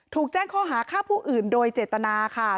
ถูกแจ้งข้อหาฆ่าผู้อื่นโดยเจตนาค่ะ